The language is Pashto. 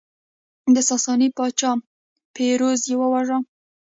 د ساساني پاچا پیروز یې وواژه